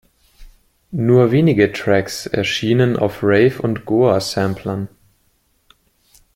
Nur wenige Tracks erschienen auf Rave- und Goa-Samplern.